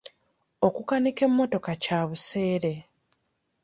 Okukanika emmotoka kya buseere.